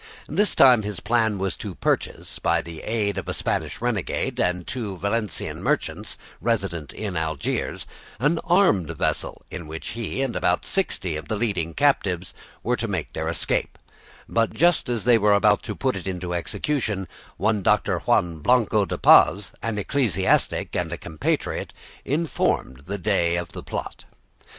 This time his plan was to purchase, by the aid of a Spanish renegade and two Valencian merchants resident in Algiers, an armed vessel in which he and about sixty of the leading captives were to make their escape; but just as they were about to put it into execution one Doctor Juan Blanco de Paz, an ecclesiastic and a compatriot, informed the Dey of the plot.